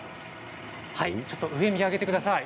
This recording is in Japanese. ちょっと上を見上げてください。